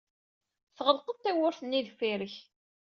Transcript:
Tɣelqed tawwurt-nni deffir-k.